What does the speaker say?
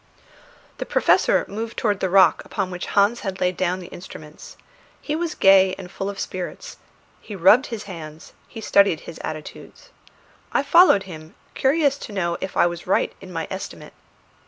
The Professor moved towards the rock upon which Hans had laid down the instruments. He was gay and full of spirits; he rubbed his hands, he studied his attitudes. I followed him, curious to know if I was right in my estimate.